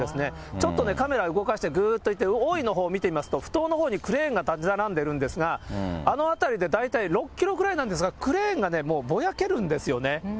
ちょっとね、カメラ動かしてみてぐーっと行って、大井のほう行くと、ふ頭のほうにクレーンが建ち並んでるんですが、あの辺りで大体６キロくらいなんですが、クレーンがもうぼやけるんですよね。